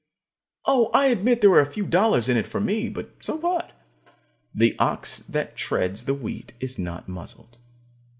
Oh, I admit there were a few dollars in it for me, but so what? The ox that treads the wheat is not muzzled.